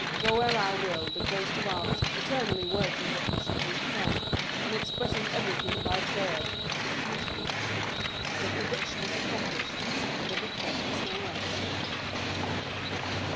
Go where I will, the Ghost of Art, eternally working the passions in hair, and expressing everything by beard, pursues me. The prediction is accomplished, and the Victim has no rest.